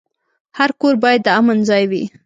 هر کور باید د امن ځای وي.